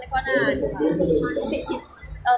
ก็นาน